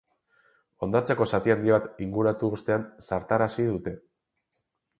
Hondartzako zati handi bat inguratu ostean zartarazi dute.